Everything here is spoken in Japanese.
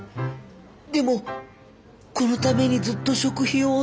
でもこのためにずっと食費を抑えてきたんだから。